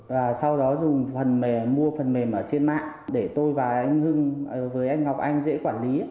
và sau đó dùng phần mềm mua phần mềm ở trên mạng để tôi và anh hưng với anh ngọc anh dễ quản lý